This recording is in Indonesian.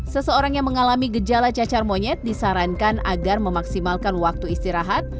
seseorang yang mengalami gejala cacar monyet disarankan agar memaksimalkan waktu istirahat